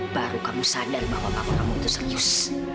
baru kamu sadar bahwa kamu itu serius